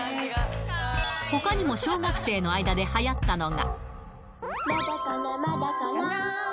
ほかにも小学生の間ではやったのが。